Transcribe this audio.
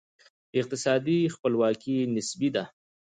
اقتصادي خپلواکي نسبي ده.